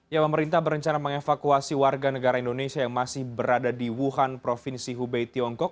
ya pemerintah berencana mengevakuasi warga negara indonesia yang masih berada di wuhan provinsi hubei tiongkok